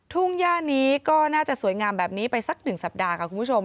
ทุ่งย่านี้ก็น่าจะสวยงามแบบนี้ไปสัก๑สัปดาห์ค่ะคุณผู้ชม